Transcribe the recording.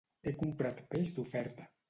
He comprat peix d'oferta